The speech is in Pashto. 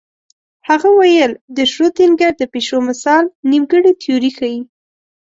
هغه ویل د شرودینګر د پیشو مثال نیمګړې تیوري ښيي.